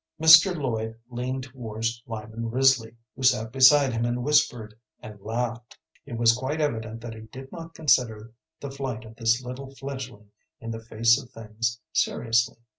Mr. Lloyd leaned towards Lyman Risley, who sat beside him and whispered and laughed. It was quite evident that he did not consider the flight of this little fledgling in the face of things seriously.